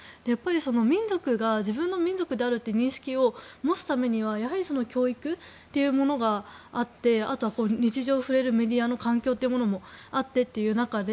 民族が自分の民族であるという認識を持つためには教育というものがあってあとは、日常を触れるメディアの環境というものもあってという中で